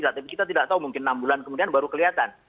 tapi kita tidak tahu mungkin enam bulan kemudian baru kelihatan